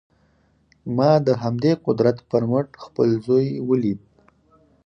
ما د همدې قدرت پر مټ خپل زوی وليد.